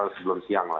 sebelum siang lah